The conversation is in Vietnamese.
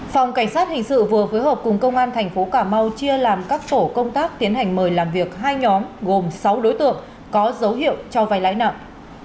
phòng cảnh sát hình sự vừa phối hợp cùng công an thành phố cà mau chia làm các tổ công tác tiến hành mời làm việc hai nhóm gồm sáu đối tượng có dấu hiệu cho vay lãi nặng